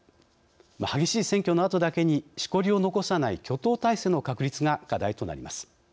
激しい選挙のあとだけにしこりを残さない挙党体制の確立が課題となります。